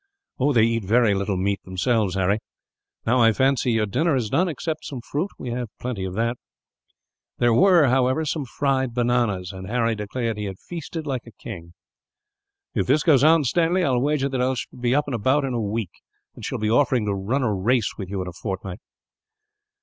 "They eat very little meat themselves, Harry. Now I fancy your dinner is done, except some fruit. We have got plenty of that." There were, however, some fried bananas, and Harry declared that he had feasted like a king. "If this goes on, Stanley, I will wager that I shall be about in a week; and shall be offering to run a race with you, in a fortnight."